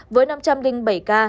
với năm triệu người